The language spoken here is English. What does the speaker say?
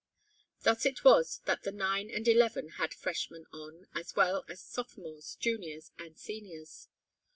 Thus it was that the nine and eleven had freshmen on, as well as sophomores, juniors and seniors.